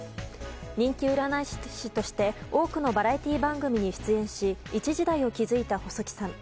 人気占い師として多くのバラエティー番組に出演し一時代を築いた細木さん。